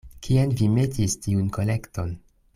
Kien vi metis tiun kolekton?